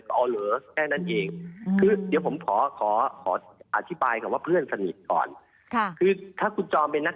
ก็เอาเหลือแค่นั้นเอง